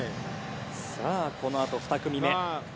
さあこのあと、２組目。